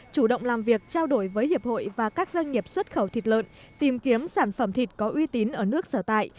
chủ động làm việc trao đổi với hiệp hội và các doanh nghiệp xuất khẩu thịt lợn tìm kiếm sản phẩm thịt có uy tín ở nước sở tại